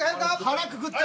腹くくった。